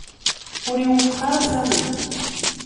Ur iwufeq ara Sami.